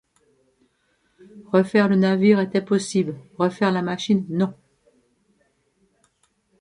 Refaire le navire était possible, refaire la machine non.